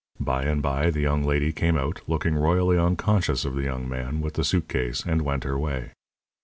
By and by the young lady came out, looking royally unconscious of the young man with the suit case, and went her way.